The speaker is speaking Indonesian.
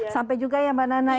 sampai juga ya mbak nana